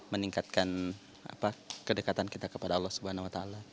meningkatkan kedekatan kita kepada allah swt